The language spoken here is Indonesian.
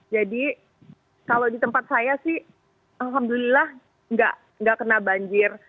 jadi kalau di tempat saya sih alhamdulillah nggak kena banjir